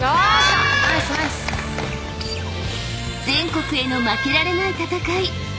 ［全国への負けられない戦い］